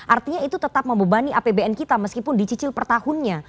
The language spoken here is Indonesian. artinya itu tetap membebani apbn kita meskipun dicicil per tahunnya